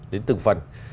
đến từng phần